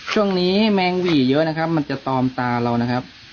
แมงหวี่เยอะนะครับมันจะตอมตาเรานะครับ